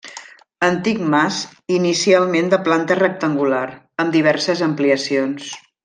Antic mas inicialment de planta rectangular, amb diverses ampliacions.